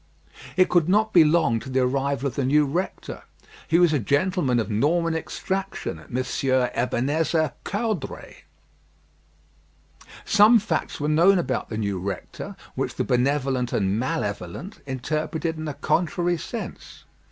It could not be long to the arrival of the new rector. He was a gentleman of Norman extraction, Monsieur Ebenezer Caudray. Some facts were known about the new rector, which the benevolent and malevolent interpreted in a contrary sense.